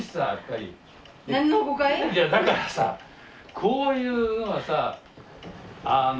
いやだからさこういうのはさあの。